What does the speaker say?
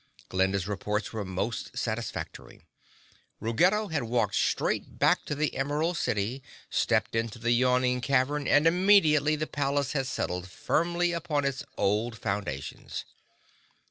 Glinda's reports were most satisfactory. Ruggedo had walked straight back to the Emerald City, stepped into the yawning cavern, and immediately the palace had settled firmly upon its old foundations.